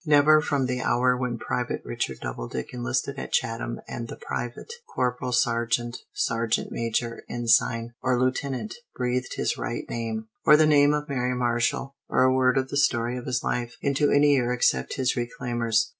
Never from the hour when Private Richard Doubledick enlisted at Chatham had the Private, Corporal, Sergeant, Sergeant Major, Ensign, or Lieutenant breathed his right name, or the name of Mary Marshall, or a word of the story of his life, into any ear except his reclaimer's.